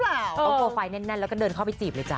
เอาโปรไฟล์แน่นแล้วก็เดินเข้าไปจีบเลยจ้